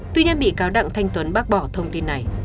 tuy nhiên bị cáo đặng thanh tuấn bác bỏ thông tin này